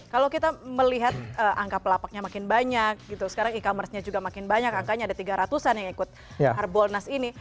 karena kita melihat angka pelapaknya makin banyak gitu sekarang e commerce nya juga makin banyak angkanya ada tiga ratusan yang ikut hard bonus ini